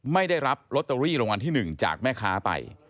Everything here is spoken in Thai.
ไม่ได้รับลอตเตอรี่รางวัลที่๑จากแม่ค้าไป